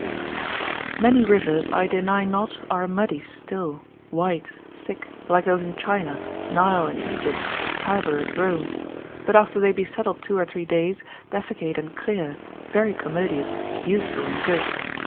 Many rivers I deny not are muddy still, white, thick, like those in China, Nile in Egypt, Tiber at Rome, but after they be settled two or three days, defecate and clear, very commodious, useful and good.